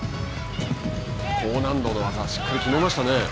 高難度の技、しっかり決めましたね。